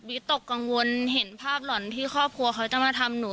ตกกังวลเห็นภาพหล่อนที่ครอบครัวเขาจะมาทำหนู